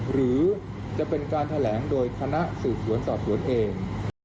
หรือจะเป็นการแถลงโดยคณะสืบสวนสอบสวนเอง